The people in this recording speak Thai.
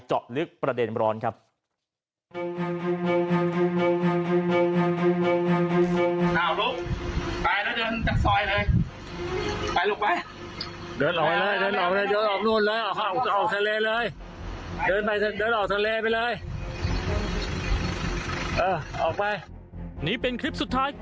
เจาะลึกประเด็นร้อนครับ